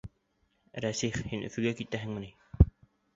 Рәсих, һин Өфөгә китәһеңме ни?